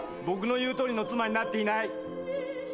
僕の言うとおりの妻になっていない